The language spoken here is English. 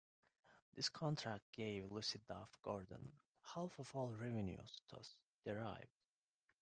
This contract gave Lucy Duff Gordon half of all revenues thus derived.